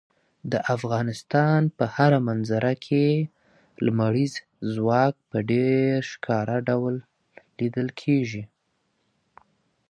د افغانستان په هره منظره کې لمریز ځواک په ډېر ښکاره ډول لیدل کېږي.